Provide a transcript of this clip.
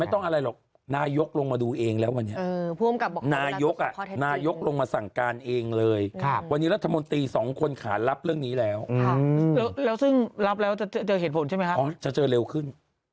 เป็นตำแหน่งจริงแต่คือจะตั้งด่างโดยที่แล้วไปส่งเขาที่โรงแรมด้วย